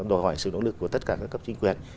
đòi hỏi sự nỗ lực của tất cả các cấp chính quyền